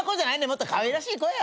もっとかわいらしい子や。